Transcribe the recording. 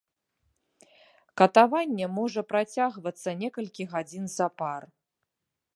Катаванне можа працягвацца некалькі гадзін запар.